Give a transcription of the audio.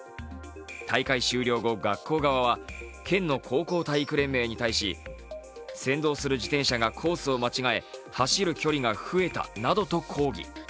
大会終了後、学校側は県の高校体育連盟に対し、先導する自転車がコースを間違え、走る距離が増えたなどと抗議。